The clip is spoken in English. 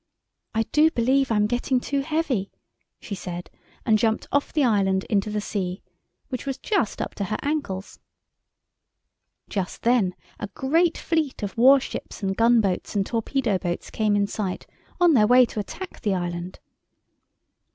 "I do believe I'm getting too heavy," she said, and jumped off the island into the sea, which was just up to her ankles. Just then a great fleet of warships and gunboats and torpedo boats came in sight, on their way to attack the island.